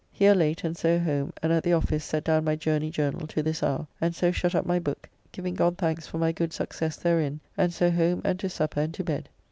Here late, and so home, and at the office set down my journey journall to this hour, and so shut up my book, giving God thanks for my good success therein, and so home, and to supper, and to bed.